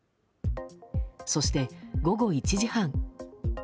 そして、午後１時半。